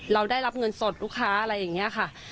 เราได้รับเงินสดลูกค้าอะไรอย่างนี้ค่ะ